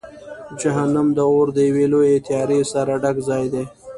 جهنم د اور د یوې لویې تیارې سره ډک ځای دی.